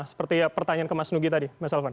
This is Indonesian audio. seperti pertanyaan ke mas nugi tadi mas elvan